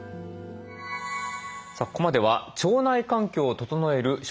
さあここまでは腸内環境を整える食事を見てきました。